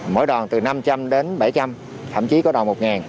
mỗi đòn từ năm trăm linh đến bảy trăm linh thậm chí có đòn một